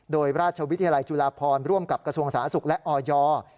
โดยราชวิทยาลัยจุฬาพรร่วมกับกระทรวงสาธารณสุขและออย